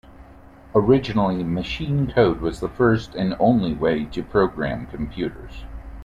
Originally, machine code was the first and only way to program computers.